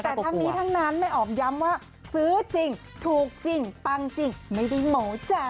แต่ทั้งนี้ทั้งนั้นแม่อ๋อมย้ำว่าซื้อจริงถูกจริงปังจริงไม่ได้หมอจ้ะ